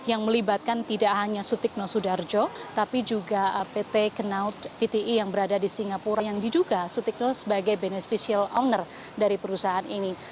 yang melibatkan tidak hanya sutikno sudarjo tapi juga pt kenaud pti yang berada di singapura yang diduga sutikno sebagai beneficial owner dari perusahaan ini